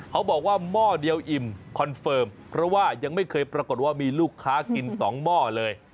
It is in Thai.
หม้อเดียวอิ่มคอนเฟิร์มเพราะว่ายังไม่เคยปรากฏว่ามีลูกค้ากิน๒หม้อเลย